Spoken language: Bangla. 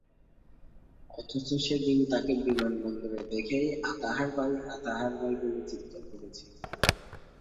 অথচ সেদিন তাঁকে বিমানবন্দরে দেখেই আতহার ভাই, আতহার ভাই বলে চিৎকার করেছি।